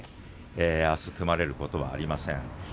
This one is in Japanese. あす組まれることはありません。